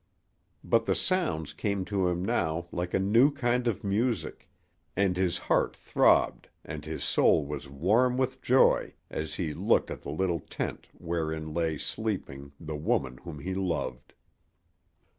But the sounds came to him now like a new kind of music, and his heart throbbed and his soul was warm with joy as he looked at the little tent wherein there lay sleeping the woman whom he loved.